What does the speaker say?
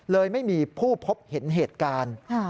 ไม่มีผู้พบเห็นเหตุการณ์